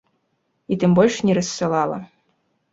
І тым больш не рассылала.